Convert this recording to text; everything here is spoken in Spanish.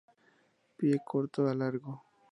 Pie corto a largo.